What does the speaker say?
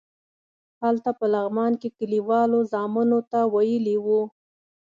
هلته په لغمان کې کلیوالو زامنو ته ویلي وو.